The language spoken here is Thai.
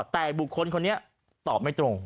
แต่บุคคลคนนี้ตอบไม่ตรง